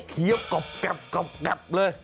เหี้ยบกรับเลย